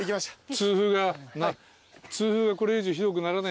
痛風がこれ以上ひどくならないようにとか。